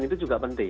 itu juga penting